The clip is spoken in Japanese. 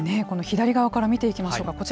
この左側から見ていきましょうか。